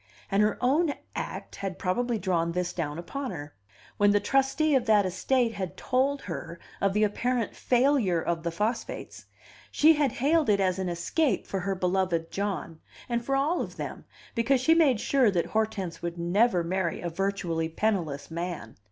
And her own act had probably drawn this down upon her. When the trustee of that estate had told her of the apparent failure of the phosphates, she had hailed it as an escape for her beloved John, and for all of them, because she made sure that Hortense would never marry a virtually penniless man.